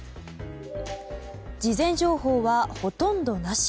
事前情報はほとんどなし。